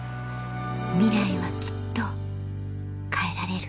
ミライはきっと変えられる